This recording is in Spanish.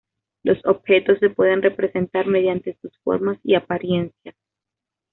Los objetos se pueden representar mediante sus formas y apariencias.